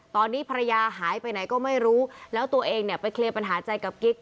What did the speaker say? ตอนนี้ภรรยาหายไปไหนก็ไม่รู้แล้วตัวเองเนี่ยไปเคลียร์ปัญหาใจกับกิ๊ก